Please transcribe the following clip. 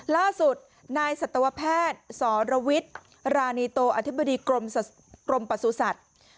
ล่าสุดนายศัตรวแพทย์สลวิทรานีโตอธิบดีกรมปสุศัตริย์